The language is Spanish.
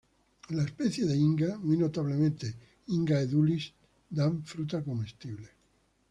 Las especies de "Inga", muy notablemente "Inga edulis" dan fruta comestible.